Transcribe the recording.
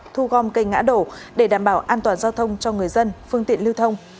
thu gom cây ngã đổ để đảm bảo an toàn giao thông cho người dân phương tiện lưu thông